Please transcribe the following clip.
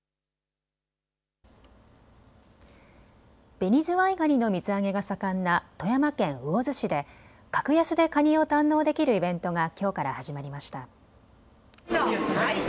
ベニズワイガニの水揚げが盛んな富山県魚津市で格安でカニを堪能できるイベントがきょうから始まりました。